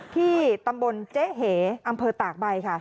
ที่ตำบลเจ๊เหอำเภอตากใบค่ะ